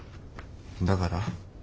だから？